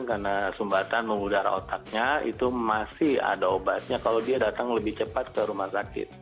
karena sumbatan mengudara otaknya itu masih ada obatnya kalau dia datang lebih cepat ke rumah sakit